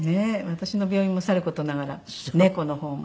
私の病院もさる事ながら猫の方も。